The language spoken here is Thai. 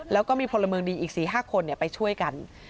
แล้วก็มีพลเมืองดีอีก๔๕คนไปช่วยกัน